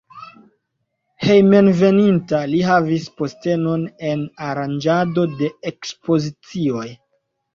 Hejmenveninta li havis postenon en aranĝado de ekspozicioj.